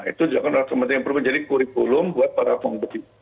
itu juga harus menjadi kurikulum buat para pengemudi